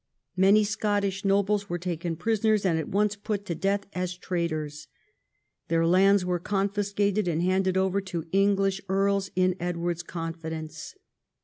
Many Scottish nobles were taken prisoners, and at once put to death as traitors. Their lands were confiscated and handed over to English earls in Edward's confidence.